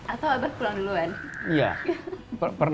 atau abah pulang duluan